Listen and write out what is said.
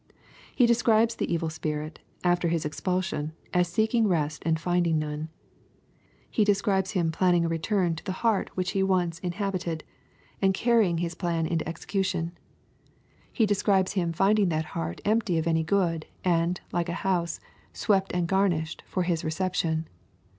He describes the evil spirit, after his expulsion, as seeking rest and finding none. — He describes him planning a return to the heart which he once in 2 26 EXPOSITORY THOUGHTS. hahited, and carrying his plan into execution. — He de scribes him finding that heart empty of any good, anc like a honse " swept and garnished" for his reception.